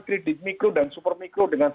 kredit mikro dan super mikro dengan